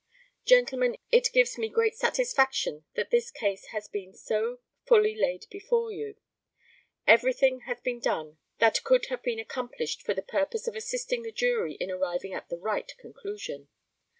Gentlemen, it gives me great satisfaction that this case has been so fully laid before you. Everything has been done that could have been accomplished for the purpose of assisting the jury in arriving at a right conclusion.